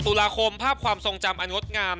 ตุลาคมภาพความทรงจำอันงดงาม